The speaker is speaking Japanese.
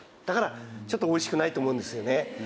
だからちょっとおいしくないと思うんですよね。